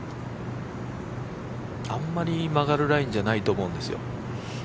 あんまり曲がるラインじゃないと思うんですよ。